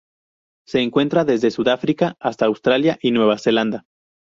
Se encuentra desde Sudáfrica hasta Australia y Nueva Zelanda.